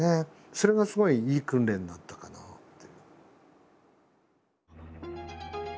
それがすごいいい訓練になったかなって。